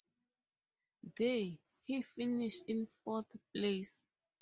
There, he finished in fourth place.